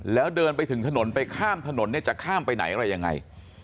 แล้วเดินไปถึงถนนไปข้ามถนนเนี่ยจะข้ามไปไหนอะไรยังไง